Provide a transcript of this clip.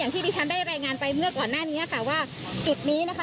ที่ดิฉันได้รายงานไปเมื่อก่อนหน้านี้ค่ะว่าจุดนี้นะคะ